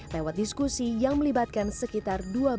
lewat diskusi yang melibatkan sekitar